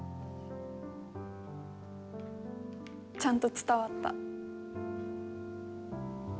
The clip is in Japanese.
ちゃんと伝わった。